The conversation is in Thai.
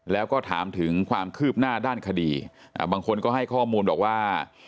แล้วก็ถามถึงความคืบหน้าด้านคดีบางคนก็ให้ข้อมูลบอกว่า